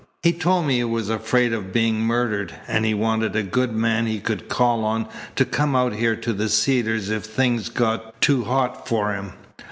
He told me he was afraid of being murdered, and he wanted a good man he could call on to come out here to the Cedars if things got too hot for him.